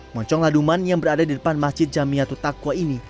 moncong laduman yang berada di depan masjid jamiatutakwa ini